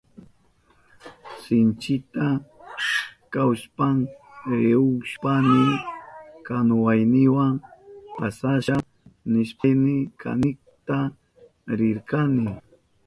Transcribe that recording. Sinchita kawishpa rihushpayni kanuwayniwa pasasha nishpayni kanikta rirkani.